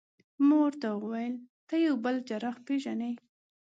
ما ورته وویل: ته یو بل جراح پېژنې؟